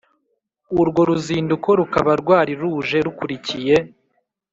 urwo ruzinduko rukaba rwari ruje rukurikiye